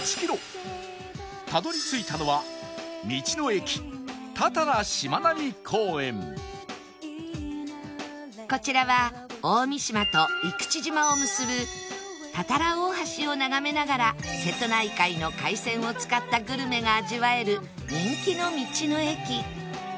たどり着いたのはこちらは大三島と生口島を結ぶ多々羅大橋を眺めながら瀬戸内海の海鮮を使ったグルメが味わえる人気の道の駅